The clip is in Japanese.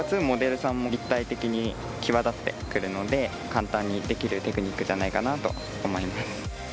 モデルさんも立体的に際立ってくるので簡単にできるテクニックじゃないかなと思います。